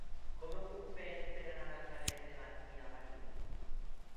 Com ho puc fer per anar al carrer de García-Mariño?